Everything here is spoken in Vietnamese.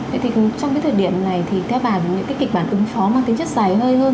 vậy thì trong cái thời điểm này thì theo bà những cái kịch bản ứng phó mang tính chất dài hơi hơn